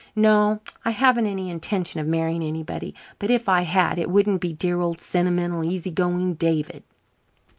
No, I haven't any intention of marrying anybody, but if I had it wouldn't be dear old sentimental, easy going David."